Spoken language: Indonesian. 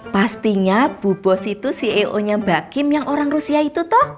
pastinya bu bos itu ceo nya mbak kim yang orang rusia itu toh